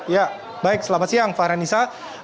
ya baik selamat siang fahra nisa